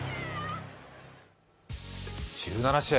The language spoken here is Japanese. １７試合